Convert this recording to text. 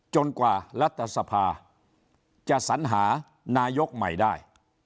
กว่ารัฐสภาจะสัญหานายกใหม่ได้